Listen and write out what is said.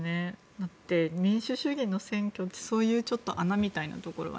だって、民主主義の選挙ってそういう穴みたいなところが。